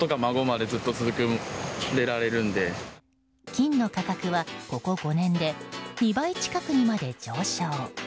金の価格は、ここ５年で２倍近くにまで上昇。